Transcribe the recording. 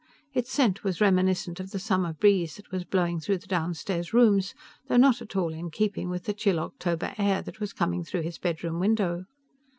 Its scent was reminiscent of the summer breeze that was blowing through the downstairs rooms, though not at all in keeping with the chill October air that was coming through his bedroom window.